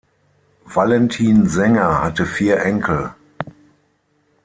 Valentin Senger hatte vier Enkel.